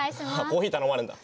コーヒー頼まないんだ。